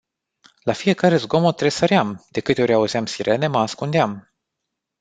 La fiecare zgomot tresăream, de câte ori auzeam sirene mă ascundeam.